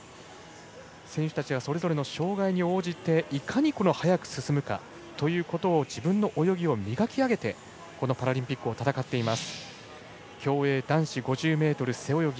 選手たちはそれぞれの障害に応じていかに速く進むかということを自分の泳ぎを磨き上げてこのパラリンピックを戦っています。